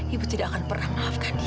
ibu tidak akan pernah maafkan dia